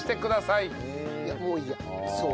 いやもういいや。